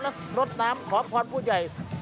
และรดน้ำขอพรผู้ใหญ่